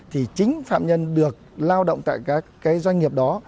thì chính phạm nhân được lao động tại các cái doanh nghiệp đó